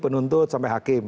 penuntut sampai hakim